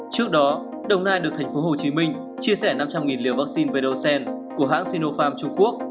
trước đó đồng nai được tp hcm chia sẻ năm trăm linh liều vaccine vềdocel của hãng sinopharm trung quốc